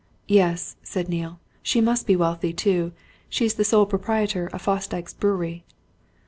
"Yes," said Neale. "She must be wealthy, too. She's the sole proprietor of Fosdyke's Brewery."